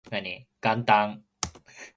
元旦